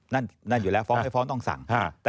นั่นอยู่แล้วฟ้องไม่ฟ้องต้องสั่ง